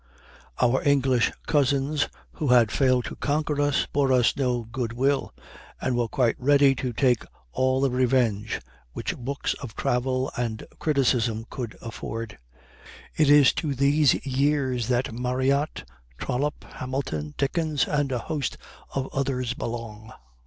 Our English cousins, who had failed to conquer us, bore us no good will, and were quite ready to take all the revenge which books of travel and criticism could afford. It is to these years that Marryat, Trollope, Hamilton, Dickens, and a host of others belong.